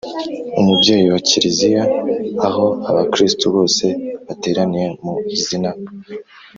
umubyeyi wa kiliziya ». aho abakristu bose bateraniye mu izina